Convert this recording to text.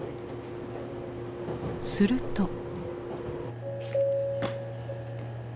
すると。